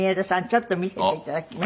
ちょっと見せていただきます。